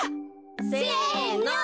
せの！